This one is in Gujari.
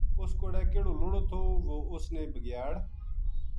اِس کوڑے کہڑو لُڑو تھو وہ اــس نے بھگیاڑ